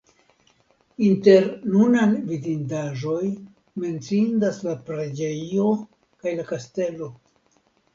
Inter nunaj vidindaĵoj menciindas la preĝejo kaj la kastelo.